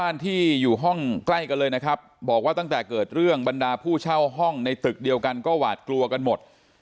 ที่อยู่ห้องใกล้กันเลยนะครับบอกว่าตั้งแต่เกิดเรื่องบรรดาผู้เช่าห้องในตึกเดียวกันก็หวาดกลัวกันหมด